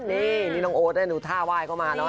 นี่น้องโอ๊ดเนี่ยหนูท่าไหว้เข้ามาเนอะค่ะ